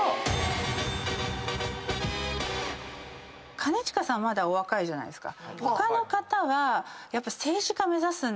兼近さんまだお若いじゃないですか。